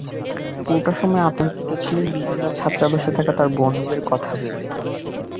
পুরোটা সময়ই আতঙ্কিত ছিলেন বিভিন্ন ছাত্রাবাসে থাকা তাঁর বন্ধুদের কথা ভেবে।